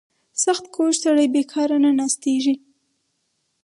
• سختکوش سړی بېکاره نه ناستېږي.